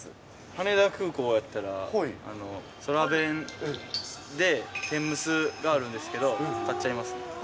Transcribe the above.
羽田空港やったら、空弁で、天むすがあるんですけど、買っちゃいますね。